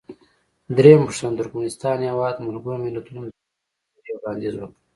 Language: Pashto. درېمه پوښتنه: د ترکمنستان هیواد ملګرو ملتونو ته د کومې نظریې وړاندیز وکړ؟